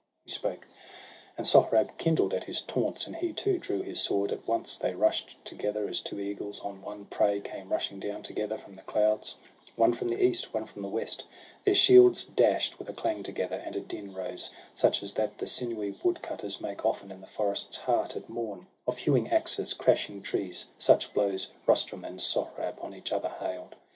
He spoke, and Sohrab kindled at his taunts, 104 SOHRAB AND RUSTUM, And he too drew his sword; at once they rush'd Together, as two eagles on one prey Come rushing down together from the clouds, One from the east, one from the west ; their shields Dash'd with a clang together, and a din Rose, such as that the sinewy woodcutters Make often in the forest's heart at morn, Of hewing axes, crashing trees — such blows Rustum and Sohrab on each other hail'd.